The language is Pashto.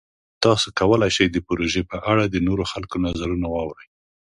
تاسو کولی شئ د پروژې په اړه د نورو خلکو نظرونه واورئ.